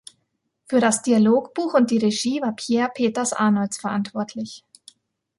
Für das Dialogbuch und die -regie war Pierre Peters-Arnolds verantwortlich.